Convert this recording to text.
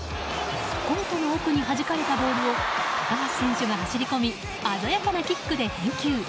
コートの奥に弾かれたボールを高橋選手が走り込み鮮やかなキックで返球。